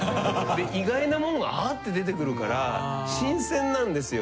意外なものがあって出てくるから新鮮なんですよ。